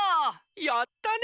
やったね！